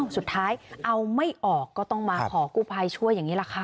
สุดท้ายเอาไม่ออกก็ต้องมาขอกู้ภัยช่วยอย่างนี้แหละค่ะ